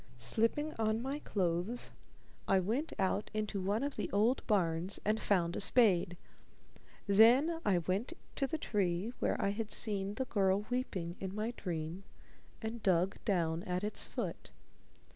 Slipping on my clothes, I went out into one of the old barns and found a spade. Then I went to the tree where I had seen the girl weeping in my dream and dug down at its foot.